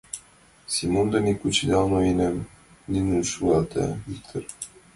— Семон дене кучедал ноенам, — нелын шӱлалта Виктыр.